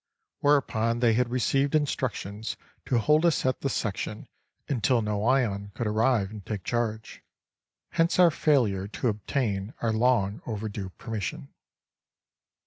Whereupon they had received instructions to hold us at the section until Noyon could arrive and take charge—hence our failure to obtain our long overdue permission.